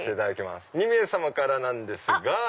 ２名様からなんですが。